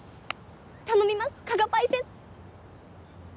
頼みます加賀パイセン！